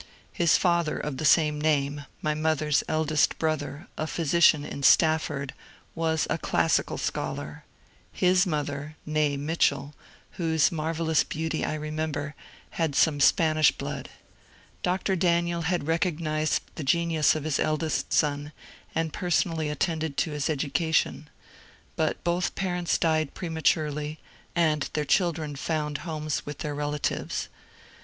His father of the same name, my mother's eldest brother, a phy sician in Stafford, was a classical scholar ; his mother (n6e Mitchell), whose marvellous beauty I remember, had some Spanish blood. Dr. Daniel had recognized the genius of his eldest son and personally attended to his education. But both parents died prematurely, and their children found homes with their relatives.